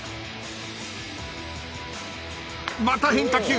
［また変化球。